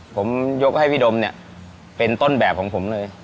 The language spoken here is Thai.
ผมยกให้พี่ดมเนี่ยเป็นต้นแบบของผมเลย